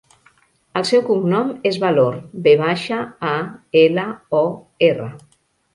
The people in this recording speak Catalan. El seu cognom és Valor: ve baixa, a, ela, o, erra.